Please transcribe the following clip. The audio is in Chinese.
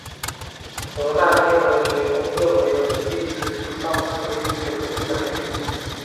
而在天文学中认为农历实际上是一种阴阳历。